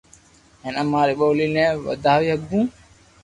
ھين اماري ٻولي ني وداوي ھگو